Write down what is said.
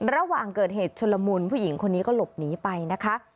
ระหว่างเกิดเหตุชุลมุนผู้หญิงคนนี้ก็หลบหนีไปนะคะ